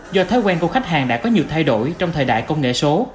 do thói quen của khách hàng đã có nhiều thay đổi trong thời đại công nghệ số